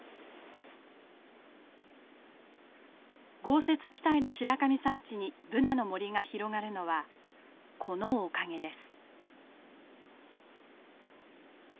豪雪地帯の白神山地にブナの森が広がるのはこのおかげです。